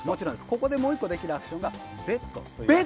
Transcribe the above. ここでもう１個できるアクションがベット。